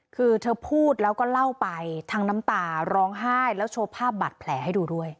คือเธอพูดแล้วก็เล่าไปทั้งน้ำตาร้องไห้แล้วโชว์ภาพบาดแผลให้ดูด้วย